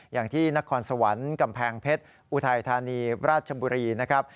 อย่างที่นครสวรรค์กำแพงเพชรอุทัยธานีราชบุรีนะครับ